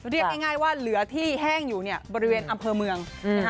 เรียกง่ายว่าเหลือที่แห้งอยู่เนี่ยบริเวณอำเภอเมือง